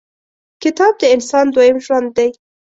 • کتاب، د انسان دویم ژوند دی.